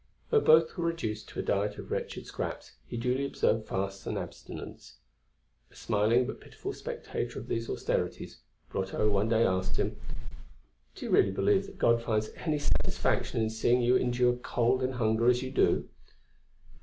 Though both were reduced to a diet of wretched scraps, he duly observed fasts and abstinence. A smiling but pitiful spectator of these austerities, Brotteaux one day asked him: "Do you really believe that God finds any satisfaction in seeing you endure cold and hunger as you do?"